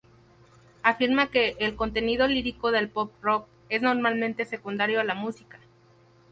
Afirma que, el contenido lírico del pop "rock", es "normalmente secundario a la música".